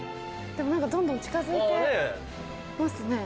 でも何かどんどん近づいてますね。